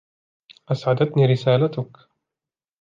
أسعدتني رسالتك.